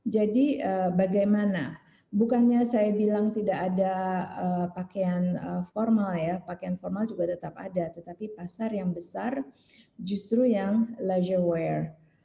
jadi bagaimana bukannya saya bilang tidak ada pakaian formal ya pakaian formal juga tetap ada tetapi pasar yang besar justru yang leisure wear